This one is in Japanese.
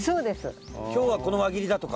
今日はこの輪切りだとか。